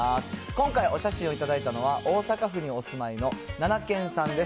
今回、お写真を頂いたのは、大阪府にお住いのななけんさんです。